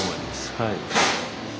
はい。